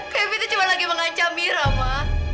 kayak evita cuma lagi mengancam mira ma